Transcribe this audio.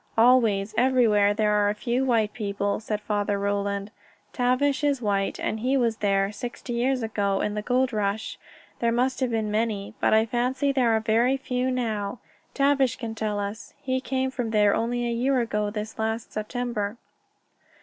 "Always, everywhere, there are a few white people," said Father Roland. "Tavish is white, and he was there. Sixty years ago, in the gold rush, there must have been many. But I fancy there are very few now. Tavish can tell us. He came from there only a year ago this last September."